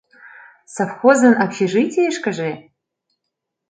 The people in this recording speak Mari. Совхозын общежитийышкыже?